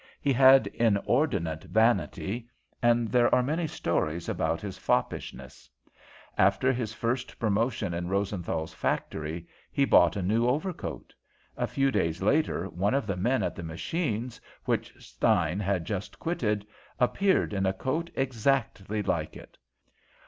He had inordinate vanity, and there are many stories about his foppishness. After his first promotion in Rosenthal's factory, he bought a new overcoat. A few days later, one of the men at the machines, which Stein had just quitted, appeared in a coat exactly like it.